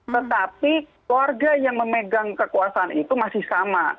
tetapi keluarga yang memegang kekuasaan itu masih sama